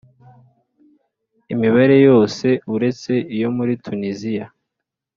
Imibare yose uretse iyo muri Tuniziya